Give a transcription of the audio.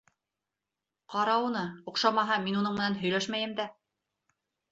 Ҡара уны, оҡшамаһа, мин уның менән һөйләшмәйем дә.